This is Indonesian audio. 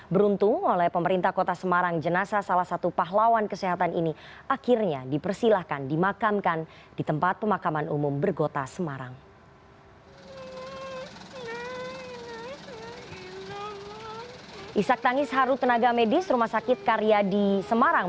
beruntung oleh pemerintah kota semarang jenazah salah satu pahlawan kesehatan ini akhirnya dipersilahkan dimakamkan di tempat pemakaman umum bergota semarang